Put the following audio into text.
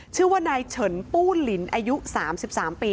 ชื่อว่านายเฉินปูนลินอายุ๓๓ปี